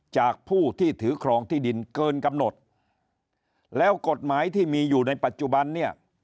จากผู้ที่ถือครองที่ดินเกินกำหนดแล้วกฎหมายที่มีอยู่ในปัจจุบันเนี่ย